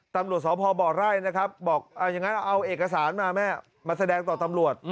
ตำรวจสอบพอบร่อยนะครับบอกเอาเอกสารมาแม่มาแสดงต่อตำรวจ